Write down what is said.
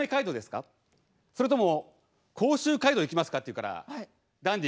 それとも甲州街道行きますか？」って言うからダンディ